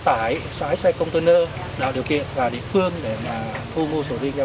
tạo điều kiện vào địa phương